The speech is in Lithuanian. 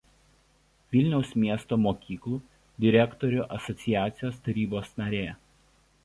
Vilniaus miesto mokyklų direktorių asociacijos tarybos narė.